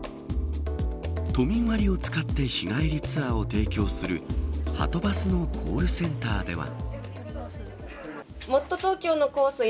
都民割を使って日帰りツアーを提供するはとバスのコールセンターでは。